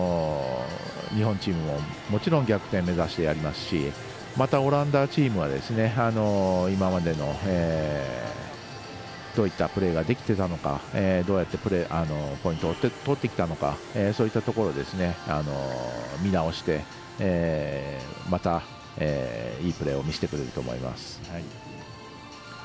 日本チームももちろん逆転目指してやりますしまた、オランダチームは今までの、どういったプレーができていたのかどうやってポイントを取ってきたのかそういったところを見直して、またいいプレーを見せてくれると思います。